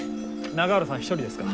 永浦さん一人ですか？